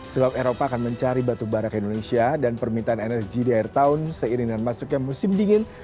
sebab eropa akan mencari batu barak indonesia dan permintaan energi di air tahun seiring dan masuknya musim dingin